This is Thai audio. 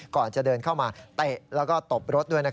กูนออกมาดิ